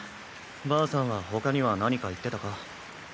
ばあさんはほかには何か言ってたか？